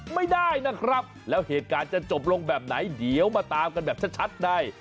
ไม่ได้นะครับแล้วเหตุการณ์จะจบลงแบบไหนเดี๋ยวมาตามกันแบบชัดใน